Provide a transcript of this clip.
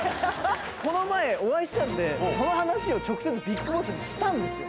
この前お会いしたのでその話を直接ＢＩＧＢＯＳＳにしたんですよ。